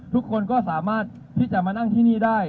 ทุกคนก็สามารถที่จะมานั่งที่นี่ได้